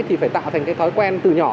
thì phải tạo thành cái thói quen từ nhỏ